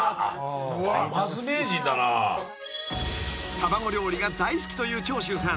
［卵料理が大好きという長州さん］